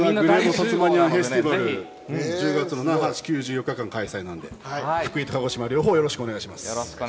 １０月、４日間開催するんで福井、鹿児島、両方よろしくお願いします。